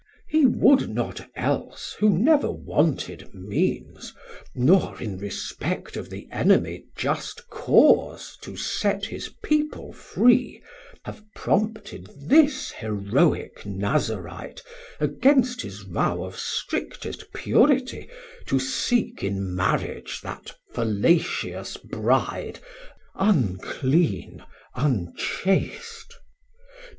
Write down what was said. He would not else who never wanted means, Nor in respect of the enemy just cause To set his people free, Have prompted this Heroic Nazarite, Against his vow of strictest purity, To seek in marriage that fallacious Bride, 320 Unclean, unchaste.